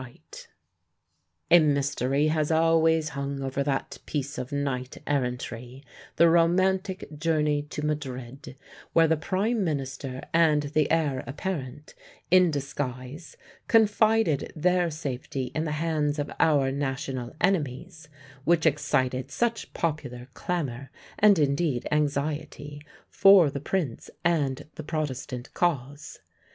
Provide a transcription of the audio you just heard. " A mystery has always hung over that piece of knight errantry, the romantic journey to Madrid, where the prime minister and the heir apparent, in disguise, confided their safety in the hands of our national enemies; which excited such popular clamour, and indeed anxiety, for the prince and the protestant cause.